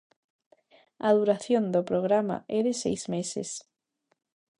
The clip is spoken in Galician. A duración do programa é de seis meses.